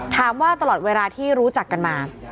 ถามว่าตลอดเวลาที่รู้จักกันมา